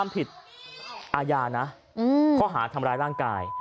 ผิดอาญานะข้อหาทำร้ายร่างกาย